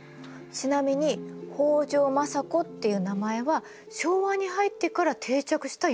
ちなみに北条政子っていう名前は昭和に入ってから定着した呼び方なんだって。